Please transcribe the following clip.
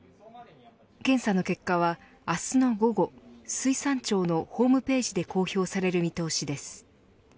検査の結果は、明日の午後水産庁のホームページで公表される見通しです。